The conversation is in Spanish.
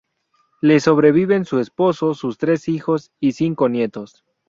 Le sobreviven su esposo, sus tres hijos y cinco nietos.